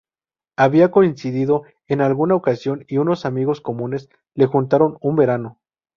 Habían coincidido en alguna ocasión y unos amigos comunes les juntaron un verano.